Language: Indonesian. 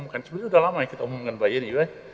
sebenarnya sudah lama kita umumkan bayi ini ya